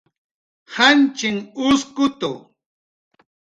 janchinh uskutu